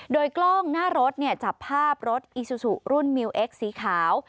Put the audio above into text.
โดยกล้องหน้ารถจับภาพรถอีซูซูรุ่นมิวเอ็กซสีขาว